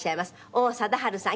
王貞治さん